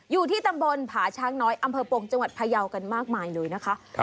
อยู่ที่ตำบลผาช้างน้อยอำเภอปงจังหวัดพยาวกันมากมายเลยนะคะ